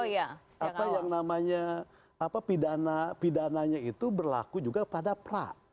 jadi apa yang namanya pidana itu berlaku juga pada pra